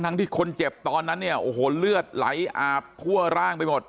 ที่คนเจ็บตอนนั้นเนี่ยโอ้โหเลือดไหลอาบทั่วร่างไปหมด